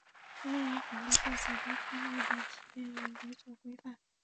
当然法律对国家参股的企业也有所规范。